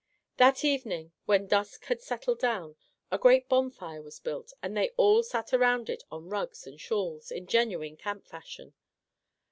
That evening, when dusk had settled down, a great bonfire was built, and they all sat around it on rugs and shawls, in genuine camp fashion.